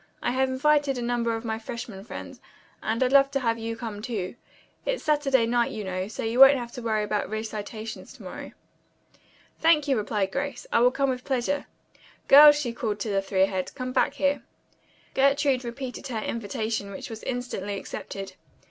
I have invited a number of my freshmen friends, and I'd love to have you come, too. It's Saturday night you know, so you won't have to worry about recitations to morrow." "Thank you," replied Grace. "I will come with pleasure. Girls," she called to the three ahead, "come back here." Gertrude repeated her invitation, which was instantly accepted.